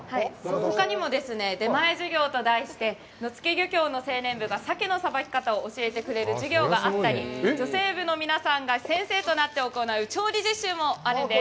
ほかにもですね、出前授業と題して野付漁協の青年部が鮭のさばき方を教えてくれる授業があったり、女性部の皆さんが先生となって行う調理実習もあるんです。